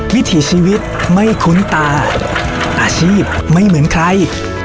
วิถีชีวิตไม่คุ้นตาอาชีพไม่เหมือนใคร